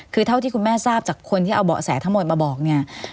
คือเท่าที่คุณแม่ทราบจากคนที่เอาเบาะแสทั้งหมดมาบอกเนี่ย